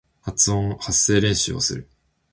発声練習をする